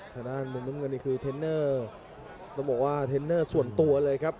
ขนาดมึงมึงกันนี่คือเทนเนอร์ต้องบอกว่าเทนเนอร์ส่วนตัวเลยครับ